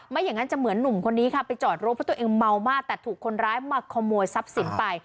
อย่างนั้นจะเหมือนหนุ่มคนนี้ค่ะไปจอดรถเพราะตัวเองเมามากแต่ถูกคนร้ายมาขโมยทรัพย์สินไป